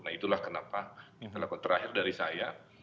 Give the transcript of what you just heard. nah itulah kenapa terlaku terakhir dari saya